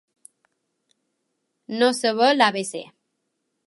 No saber l'abecé.